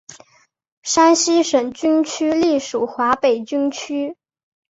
山西省军区隶属华北军区。